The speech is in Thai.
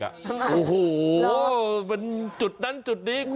โอ้โหเป็นจุดนั้นจุดนี้